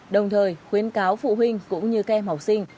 đồng thời khuyến cáo phụ huynh cũng như kem học sinh